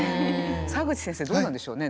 澤口先生どうなんでしょうね？